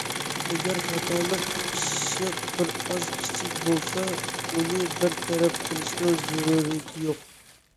ئەگەر خالتىلىق ئىششىق بىر ئاز كىچىك بولسا ئۇنى بىر تەرەپ قىلىشنىڭ زۆرۈرىيىتى يوق.